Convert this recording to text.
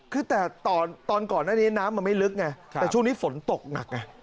คือแต่ตอนก่อนหน้านี้น้ำมันไม่ลึกไงแต่ช่วงนี้ฝนตกหนักไง